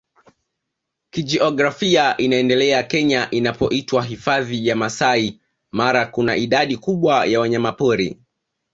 kijiografia inaendele Kenya inapoitwa Hifadhi ya Masai Mara Kuna idadi kubwa ya wanyamapori